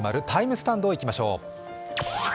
スタンドいきましょう。